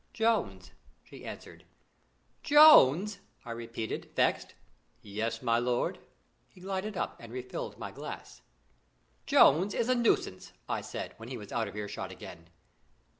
"Jones," she answered. "Jones!" I repeated, vexed. "Yes, my lord." He glided up and re filled my glass. "Jones is a nuisance," I said, when he was out of earshot again.